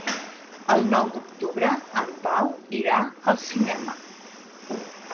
El nou d'octubre en Pau irà al cinema.